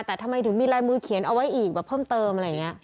แต่ทำไมถึงมีลายมือเขียนเอาไว้อีกแบบเพิ่มเติมอะไรอย่างนี้